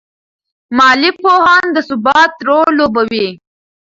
مالي پوهان د ثبات رول لوبوي.